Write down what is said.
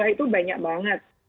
itu banyak banget